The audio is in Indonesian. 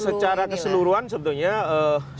secara keseluruhan sebetulnya sudah mulai aware